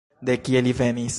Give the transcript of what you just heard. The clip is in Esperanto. De kie li venis?